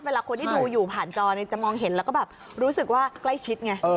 เวลาคนที่ดูอยู่ผ่านจอเนี่ยจะมองเห็นแล้วก็แบบรู้สึกว่าใกล้ชิดไง